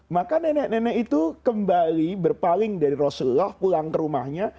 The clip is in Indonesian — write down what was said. maka nenek nenek itu kembali berpaling dari rasulullah pulang ke rumahnya